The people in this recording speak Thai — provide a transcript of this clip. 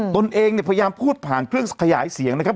ตนเองเนี่ยพยายามพูดผ่านเครื่องขยายเสียงนะครับ